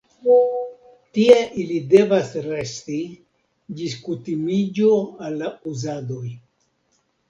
Tie ili devas resti ĝis kutimiĝo al la uzadoj.